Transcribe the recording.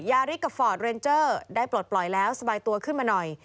ริสกับฟอร์ดเรนเจอร์ได้ปลดปล่อยแล้วสบายตัวขึ้นมาหน่อย